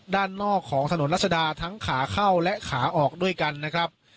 ด้านนอกของถนนรัชดาทั้งขาเข้าและขาออกด้วยกันนะครับ